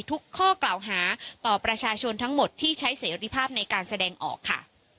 ทุกข้อกล่าวหาต่อประชาชนทั้งหมดที่ใช้เสรีภาพในการแสดงออกค่ะ